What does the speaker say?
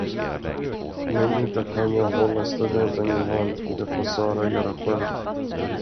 Men inte kan jag hålla studenten i hand, det får Sara göra själv.